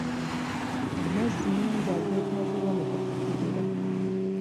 Amazzi mangi ageetagibwa mu kufukirira.